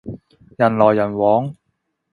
人來人往